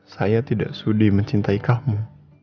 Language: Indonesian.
saya tidak sudi mencintai kamu